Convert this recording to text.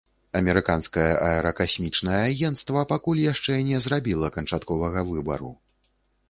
Амерыканскае аэракасмічнае агенцтва пакуль яшчэ не зрабіла канчатковага выбару.